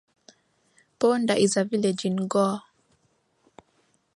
Ponda is a village in Goa.